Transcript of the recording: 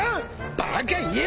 バカ言え！